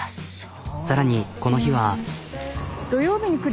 さらにこの日は。